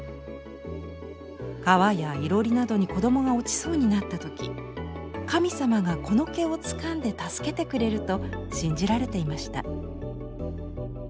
川やいろりなどに子どもが落ちそうになった時神様がこの毛をつかんで助けてくれると信じられていました。